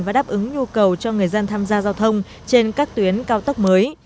và đáp ứng nhu cầu cho người dân tham gia giao thông trên các tuyến cao tốc mới